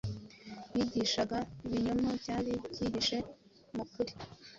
bigishaga ibinyoma byari byihishe mu kuri.